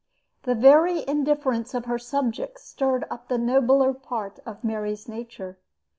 The very indifference of her subjects stirred up the nobler part of Mary's nature.